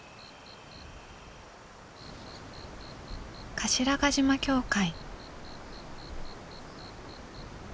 頭ヶ島教会。